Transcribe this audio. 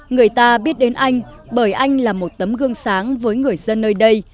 người ta biết đến anh bởi anh là một tấm gương sáng với người dân nơi đây